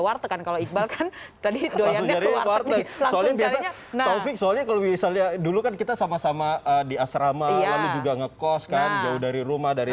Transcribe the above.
warteg kan kalau iqbal kan tadi dari partai soalnya biasanya taufik soalnya kalau misalnya dulu kan kita sama sama di asrama lalu juga ngekos kan jauh dari rumah dari